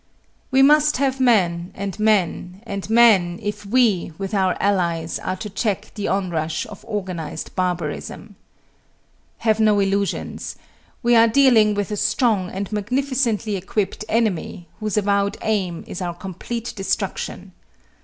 We must have men and men and men, if we, with our allies, are to check the onrush of organized barbarism. Have no illusions. We are dealing with a strong and magnificently equipped enemy, whose avowed aim is our complete destruction.